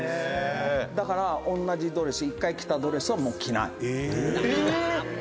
「だから、同じドレス１回着たドレスは、もう着ない」